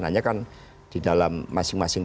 hanya kan di dalam masing masing